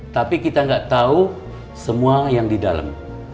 tapi kita nggak tahu semua yang di dalam